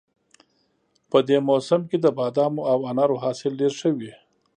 په دې موسم کې د بادامو او انارو حاصل ډېر ښه وي